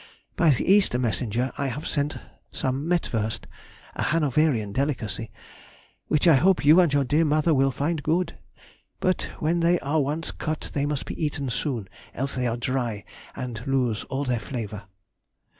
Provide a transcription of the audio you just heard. By the Easter messenger I have sent some mettwurst [a Hanoverian delicacy], which I hope you and your dear mother will find good, but when they are once cut they must be eaten soon, else they are dry and lose all their flavour.